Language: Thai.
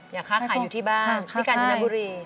อยากค่าอยู่ที่บ้านภิการจนบุรี